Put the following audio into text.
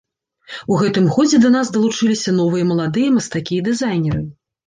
У гэтым годзе да нас далучыліся новыя маладыя мастакі і дызайнеры.